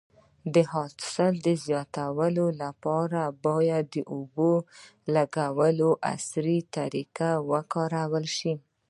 د حاصل د زیاتوالي لپاره باید د اوبو لګولو عصري طریقې وکارول شي.